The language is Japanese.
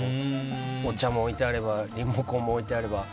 お茶も置いてあればリモコンも置いてあれば。